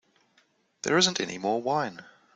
There isn't any more wine.